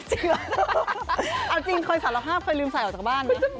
เชื่อเอาจริงเคยสารภาพเคยลืมใส่ออกจากบ้านนะ